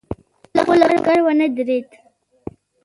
خو لښکر ونه درېد.